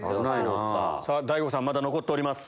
大悟さんまだ残っております。